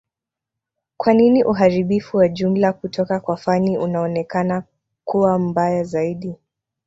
kwa nini uharibifu wa jumla kutoka kwa Fani unaonekana kuwa mbaya zaidi